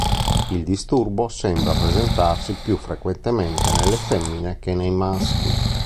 Il disturbo sembra presentarsi più frequentemente nelle femmine che nei maschi.